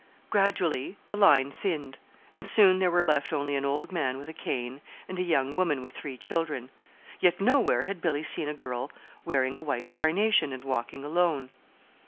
Gradually the line thinned, and soon there were left only an old man with a cane, and a young woman with three children. Yet nowhere had Billy seen a girl wearing a white carnation, and walking alone.